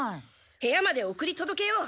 部屋まで送りとどけよう。